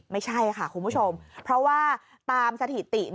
ไม่ใช่ค่ะคุณผู้ชมเพราะว่าตามสถิติ